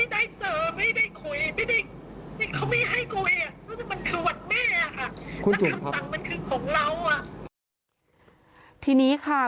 แต่ว่าเราไม่ได้เจอไม่ได้คุย